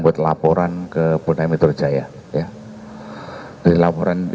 tahan dulu tahan